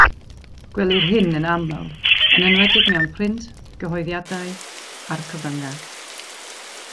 Gwelir hyn yn aml, yn enwedig mewn print, gyhoeddiadau, a'r cyfryngau.